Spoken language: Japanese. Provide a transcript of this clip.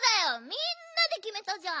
みんなできめたじゃん。